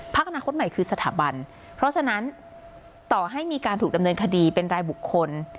อนาคตใหม่คือสถาบันเพราะฉะนั้นต่อให้มีการถูกดำเนินคดีเป็นรายบุคคล